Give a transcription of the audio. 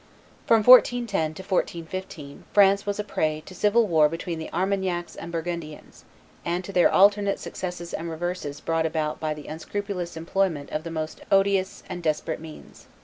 From 1410 to 1415 France was a prey to civil war between the Armagnacs and Burgundians, and to their alternate successes and reverses brought about by the unscrupulous employment of the most odious and desperate means.